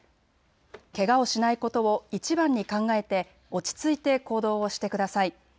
けがをしないことをいちばんに考えて落ち着いて行動をしてください。